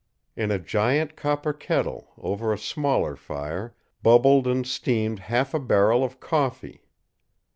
In a giant copper kettle, over a smaller fire, bubbled and steamed half a barrel of coffee.